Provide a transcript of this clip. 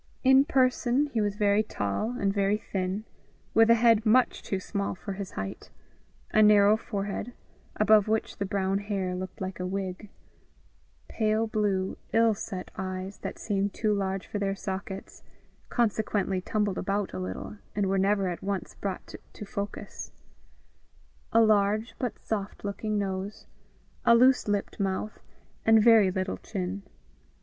In person, he was very tall and very thin, with a head much too small for his height; a narrow forehead, above which the brown hair looked like a wig; pale blue, ill set eyes, that seemed too large for their sockets, consequently tumbled about a little, and were never at once brought to focus; a large, but soft looking nose; a loose lipped mouth, and very little chin.